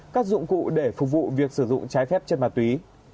các dụng cụ để phục vụ việc sử dụng trái phép chất ma túy